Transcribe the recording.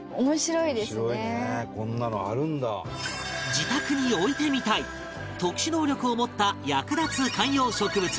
自宅に置いてみたい特殊能力を持った役立つ観葉植物